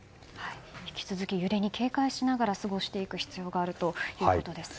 引き続き、揺れに警戒しながら過ごしていく必要があるということですね。